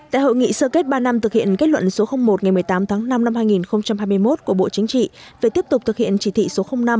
tại hội nghị sơ kết ba năm thực hiện kết luận số một ngày một mươi tám tháng năm năm hai nghìn hai mươi một của bộ chính trị về tiếp tục thực hiện chỉ thị số năm